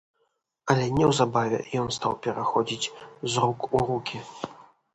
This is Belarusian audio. Але неўзабаве ён стаў пераходзіць з рук у рукі.